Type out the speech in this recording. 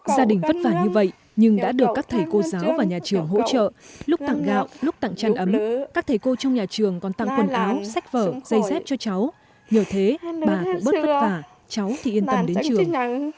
gia đình vất vả như vậy nhưng đã được các thầy cô giáo và nhà trường hỗ trợ lúc tặng gạo lúc tặng chăn ấm các thầy cô trong nhà trường còn tặng quần áo sách vở dây dép cho cháu nhờ thế bà cũng bớt vất vả cháu thì yên tâm đến trường